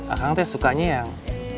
akang teh sukanya yang